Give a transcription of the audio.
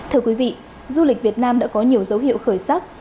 thưa quý vị du lịch việt nam đã có nhiều dấu hiệu khởi sắc